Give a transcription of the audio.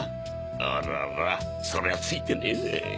あららそりゃついてねぜ。